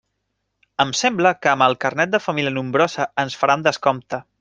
Em sembla que amb el carnet de família nombrosa ens faran descompte.